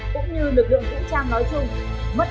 quan điểm trung lập đứng mạnh